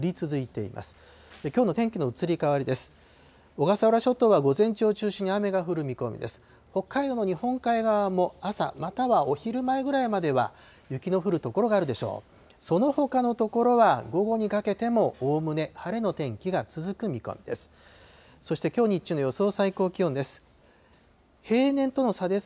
そのほかの所は午後にかけても、おおむね晴れの天気が続く見込みです。